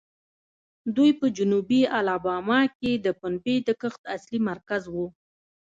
دوی په جنوبي الاباما کې د پنبې د کښت اصلي مرکز وو.